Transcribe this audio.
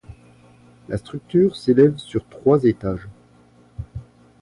La structure s'élève sur trois étages.